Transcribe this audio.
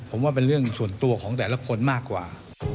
ผมว่าเป็นเรื่องส่วนตัวของแต่ละคนมากกว่า